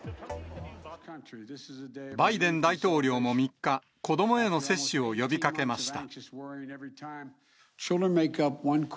バイデン大統領も３日、子どもへの接種を呼びかけました。